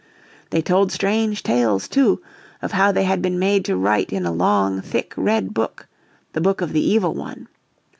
They told strange tales, too, of how they had been made to write in a long, thick, red book, the book of the Evil One.